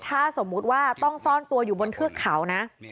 ถ้าสมมุติว่าต้องซ่อนตัวอยู่บนเทือกเขานะ